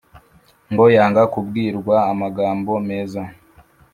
ngo yanga kubwirwa amagambo meza;